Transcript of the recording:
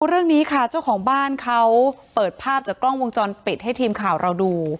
เรื่องนี้ค่ะเจ้าของบ้านเขาเปิดภาพจากกล้องวงจรปิดให้ทีมข่าวเราดู